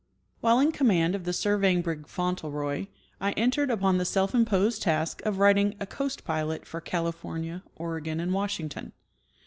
While in command of the surveying brig Fauntleroy I entered upon the self imposed task of writing a Coast Pilot for California, Oregon and Washington.